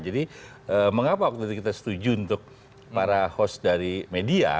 jadi mengapa waktu itu kita setuju untuk para host dari media